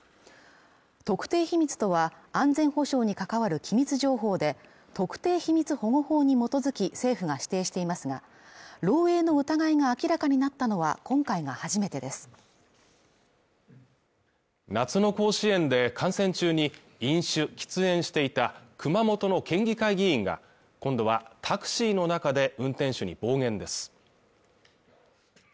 特定秘密とは安全保障に関わる機密情報で特定秘密保護法に基づき政府が指定していますが漏えいの疑いが明らかになったのは今回が初めてです夏の甲子園で観戦中に飲酒喫煙していた熊本の県議会議員が今度はタクシーの中で運転手に暴言です